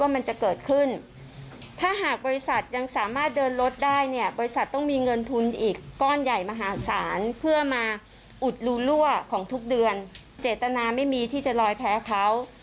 ไม่สามารถเดินรถต่อไปได้อีกค่ะ